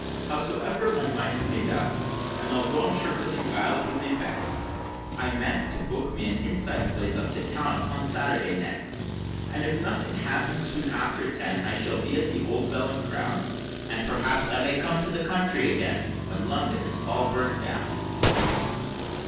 Howsomever my mind's made up, and although I'm sure cousin Giles will be vext, I mean to book me an inside place up to town upon Saturday next, And if nothing happens, soon after ten, I shall be at the Old Bell and Crown, And perhaps I may come to the country again, when London is all burnt down!